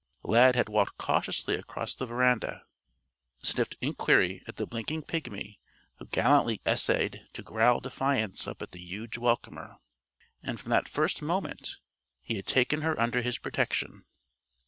Lad had walked cautiously across the veranda, sniffed inquiry at the blinking pigmy who gallantly essayed to growl defiance up at the huge welcomer and from that first moment he had taken her under his protection.